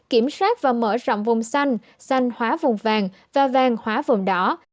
kiểm soát và mở rộng vùng xanh xanh hóa vùng vàng và vàng hóa vùng đỏ